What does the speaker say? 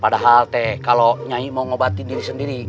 padahal kalau aku ingin mengobati diri sendiri